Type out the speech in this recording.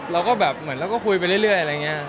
เราก็แบบเหมือนเราก็คุยไปเรื่อยอะไรอย่างนี้